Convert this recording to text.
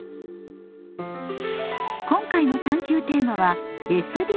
今回の探究テーマは「ＳＤＧｓ」。